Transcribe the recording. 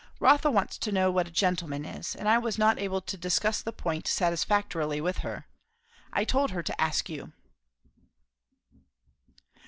"Rotha wants to know what a gentleman is; and I was not able to discuss the point satisfactorily with her. I told her to ask you."